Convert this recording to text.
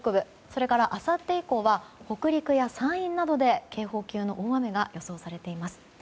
それから、あさって以降は北陸や山陰などで警報級の大雨が予想されています。